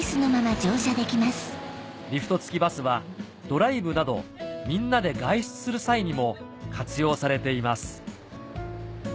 リフト付きバスはドライブなどみんなで外出する際にも活用されています